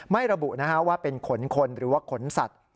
ระบุว่าเป็นขนคนหรือว่าขนสัตว์